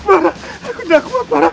aku tidak kuat